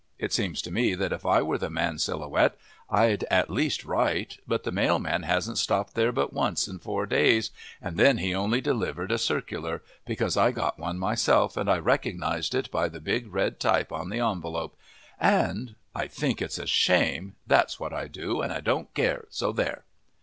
It seems to me that if I were the Man Silhouette, I'd at least write, but the mailman hasn't stopped there but once in four days, and then he only delivered a circular, because I got one myself and I recognized it by the big red type on the envelope, and I think it's a shame, that's what I do, and I don't care, so there!"